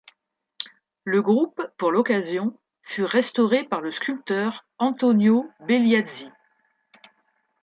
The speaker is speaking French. Le groupe, pour l'occasion, fut restauré par le sculpteur Antonio Belliazzi.